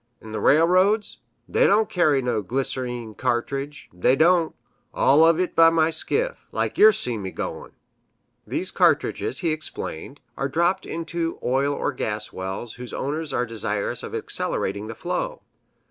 'n' th' railroads, they don' carry no glyser_een_ cartridge, they don't all uv it by skiff, like yer see me goin'." These cartridges, he explained, are dropped into oil or gas wells whose owners are desirous of accelerating the flow.